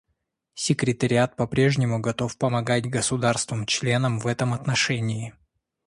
Секретариат по-прежнему готов помогать государствам-членам в этом отношении.